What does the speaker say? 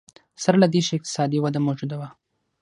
سره له دې چې اقتصادي وده موجوده وه.